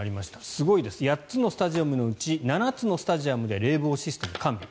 すごいです８つのスタジアムのうち７つのスタジアムで冷房システム完備。